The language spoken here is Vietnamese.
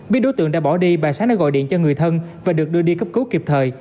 biết đối tượng đã bỏ đi bà sáng đã gọi điện cho người thân và được đưa đi cấp cứu kịp thời